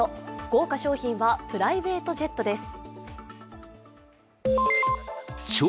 豪華賞品はプライベートジェットです。